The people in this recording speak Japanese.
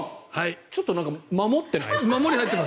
ちょっと守ってないですか。